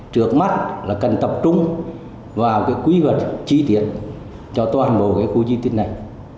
trước mắt là cần tập trung vào quy hoạch chi tiết cho toàn bộ khu di tích này